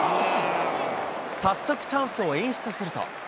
早速チャンスを演出すると。